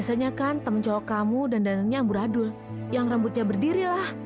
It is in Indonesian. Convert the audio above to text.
sampai jumpa di video selanjutnya